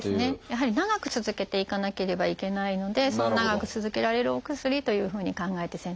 やはり長く続けていかなければいけないので長く続けられるお薬というふうに考えて選択しています。